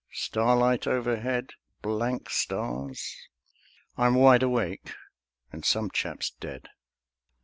Starlight overhead Blank stars. I'm wide awake; and some chap's dead.